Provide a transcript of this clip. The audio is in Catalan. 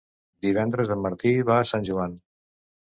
Divendres en Martí va a Sant Joan.